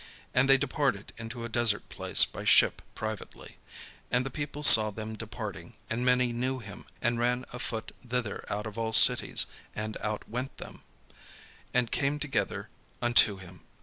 And they departed into a desert place by ship privately. And the people saw them departing, and many knew him, and ran afoot thither out of all cities, and outwent them, and came together unto him.